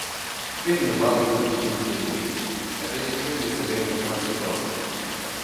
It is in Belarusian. Вельмі мала кантактую з людзьмі, на мяне крыўдзіцца вельмі шмат сяброў.